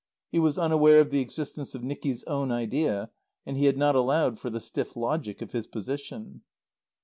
He was unaware of the existence of Nicky's own idea; and he had not allowed for the stiff logic of his position.